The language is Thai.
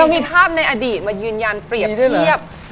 มีภาพในอดีตมายืนยันเปรียบเทียบ